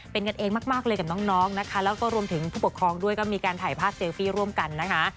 เป็นกันเองมากเลยกับน้องนะคะแล้วก็รวมถึงผู้ปกครองด้วยก็มีการถ่ายภาพเซลฟี่ร่วมกันนะคะ